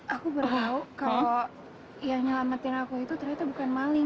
aku baru tahu kalau yang nyelamatin aku itu ternyata bukan maling